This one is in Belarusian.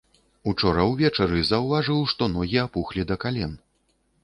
Учора ўвечары заўважыў, што ногі апухлі да кален.